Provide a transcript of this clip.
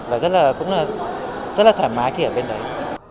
và rất là thoải mái khi ở bên đấy